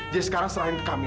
jadi sekarang serahin ke kamila